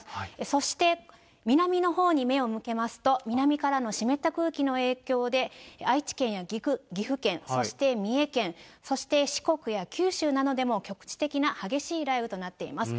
そして南のほうに目を向けますと、南からの湿った空気の影響で、愛知県や岐阜県、そして三重県、そして四国や九州などでも、局地的な激しい雷雨となっています。